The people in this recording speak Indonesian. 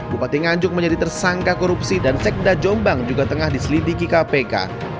bupati nganjuk menjadi tersangka korupsi dan sekda jombang juga tengah diselidiki kpk